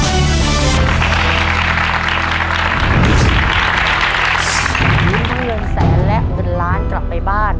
ยิ้มทั้งเงินแสนและหนึ่งล้านกลับไปบ้าน